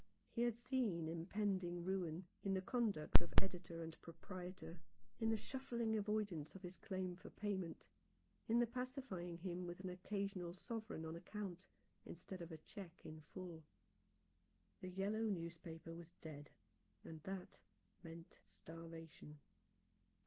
He had seen impending ruin in the conduct of editor and proprietor, in the shuffling avoidance of his claim for payment ; in the pacifying him with an occasional sovereign on account, instead of a cheque in full. The yellow newspaper was dead, and that meant starvation.